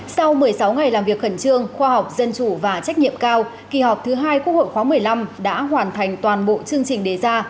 sau một mươi sáu ngày làm việc khẩn trương khoa học dân chủ và trách nhiệm cao kỳ họp thứ hai quốc hội khóa một mươi năm đã hoàn thành toàn bộ chương trình đề ra